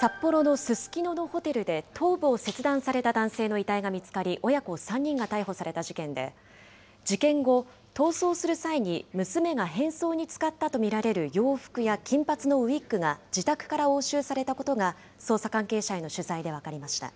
札幌のススキノのホテルで、頭部を切断された男性の遺体が見つかり、親子３人が逮捕された事件で、事件後、逃走する際に娘が変装に使ったと見られる洋服や金髪のウイッグが自宅から押収されたことが捜査関係者への取材で分かりました。